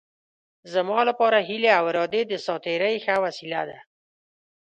زما لپاره هیلې او ارادې د ساعت تېرۍ ښه وسیله ده.